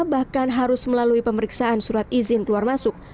bahkan harus melalui pemeriksaan surat izin keluar masuk